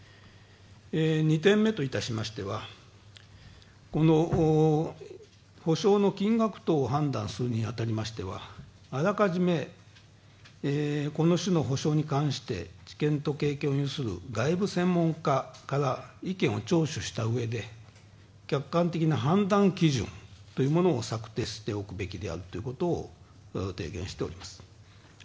２点目といたしましては、この補償の金額等を判断するに当たりましてはあらかじめ、この種の補償に関して知見と経験を有する外部専門家から意見を聴取したうえで客観的な判断基準というものを策定しておくべきであるということを提言しております。